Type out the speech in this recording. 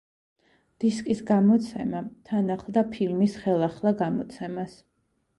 დისკის გამოცემა თან ახლდა ფილმის ხელახლა გამოცემას.